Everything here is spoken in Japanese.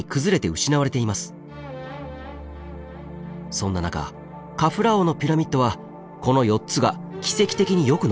そんな中カフラー王のピラミッドはこの４つが奇跡的によく残っているんです。